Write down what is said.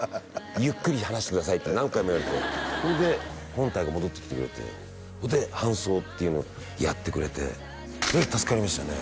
「ゆっくり話してください」って何回も言われてほんで本隊が戻ってきてくれて搬送っていうのをやってくれてそれで助かりましたね